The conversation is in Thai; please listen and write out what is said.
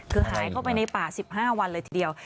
คือหายเข้าไปในป่า๑๕วันเลยทีเดียว